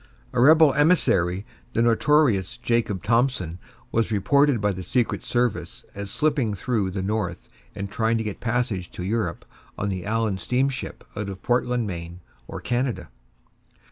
A rebel emissary, the notorious Jacob Thompson, was reported by the secret service as slipping through the North and trying to get passage to Europe on the Allan steamship out of Portland, Maine, or Canada.